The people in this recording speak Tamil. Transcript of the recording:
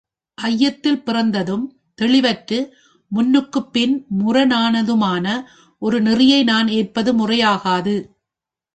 ஐயத்தில் பிறந்ததும் தெளிவற்று முன்னுக்குப் பின் முரணானதுமான ஒரு நெறியை நான் ஏற்பது முறையாகாது.